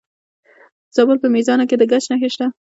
د زابل په میزانه کې د ګچ نښې شته.